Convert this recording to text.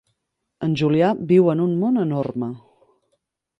En Julià viu en un món enorme.